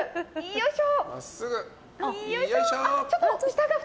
よいしょ。